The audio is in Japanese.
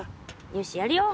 よしやるよ。